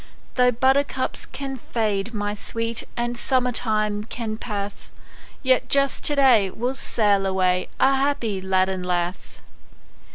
Though buttercups can fade, my sweet, And summer time can pass, Yet just to day we'll sail away, A happy lad and lass.